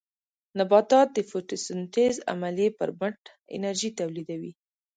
نباتات د فوټوسنټیز عملیې پرمټ انرژي تولیدوي.